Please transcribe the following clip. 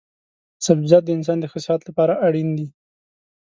سبزيجات د انسان د ښه صحت لپاره اړين دي